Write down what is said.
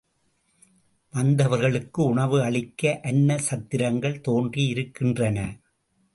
வந்தவர்களுக்கு உணவு அளிக்க அன்ன சத்திரங்கள் தோன்றியிருக்கின்றன.